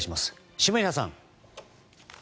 下平さん。